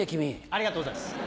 ありがとうございます。